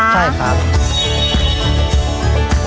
ใช่ครับ